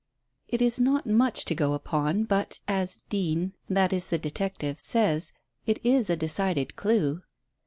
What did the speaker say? "It is not much to go upon, but, as Deane, that is the detective, says, it is a decided clue."